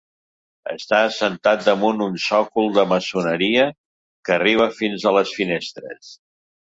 Està assentat damunt un sòcol de maçoneria que arriba fins a les finestres.